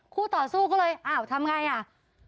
ต่อสู้ก็เลยอ้าวทำไงอ่ะ